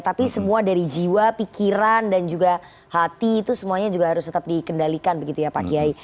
tapi semua dari jiwa pikiran dan juga hati itu semuanya juga harus tetap dikendalikan begitu ya pak kiai